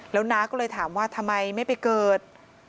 แล้วน้าก็เลยถามว่าทำไมไม่ไปเกิด